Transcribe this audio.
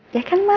ya kan mas